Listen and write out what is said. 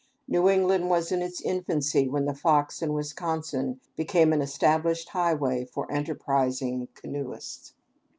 New England was in its infancy when the Fox and Wisconsin became an established highway for enterprising canoeists.